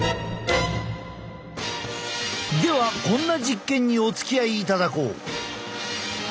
ではこんな実験におつきあいいただこう。